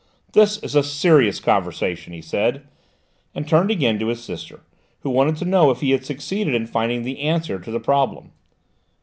"This is a serious conversation," he said, and turned again to his sister, who wanted to know if he had succeeded in finding the answer to the problem.